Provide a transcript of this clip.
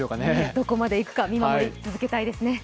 どこまでいくか、見守り続けたいですね。